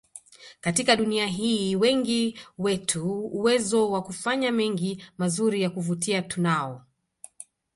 Katika dunia hii wengi wetu uwezo wa kufanya mengi mazuri ya kuvutia tunao